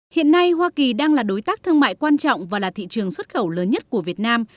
hiện nay hoa kỳ đang là đối tác thương mại quan trọng và là thị trường xuất khẩu lớn nhất của việt nam